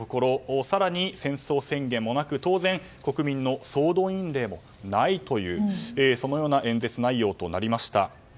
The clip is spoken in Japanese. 更に戦争宣言もなく当然、国民の総動員令もないという演説内容となりました。